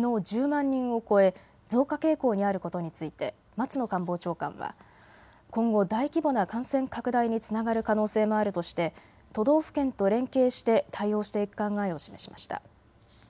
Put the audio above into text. １０万人を超え、増加傾向にあることについて松野官房長官は今後、大規模な感染拡大につながる可能性もあるとして都道府県と連携して対応していく考えを示しました。